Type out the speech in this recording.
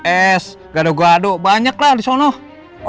es gado gado banyak lah di sana